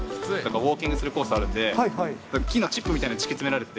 ウォーキングするコースあるんで、木のチップみたいの敷き詰められてて。